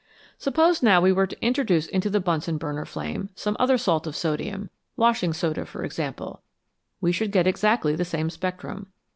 Suppose now we were to introduce into the Bunsen burner flame some other salt of sodium washing soda, for example we should get exactly the same spectrum.